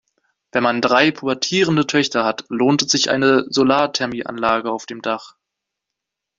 Wenn man drei pubertierende Töchter hat, lohnt sich eine Solarthermie-Anlage auf dem Dach.